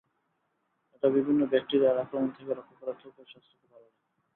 এটি বিভিন্ন ব্যাকটেরিয়ার আক্রমণ থেকে রক্ষা করে ত্বকের স্বাস্থ্যকে ভালো রাখে।